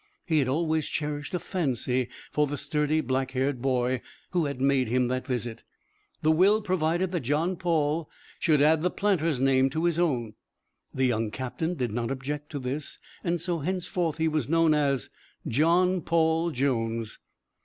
He had always cherished a fancy for the sturdy, black haired boy who had made him that visit. The will provided that John Paul should add the planter's name to his own. The young captain did not object to this, and so henceforth he was known as John Paul Jones.